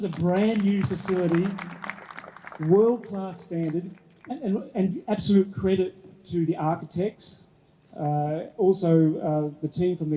ini adalah fasilitas yang baru standar kelas dunia dan kredit kebanyakan kepada arkitek dan tim dari pemerintah